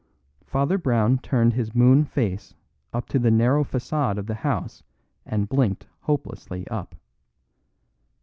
Father Brown turned his moon face up to the narrow façade of the house and blinked hopelessly up.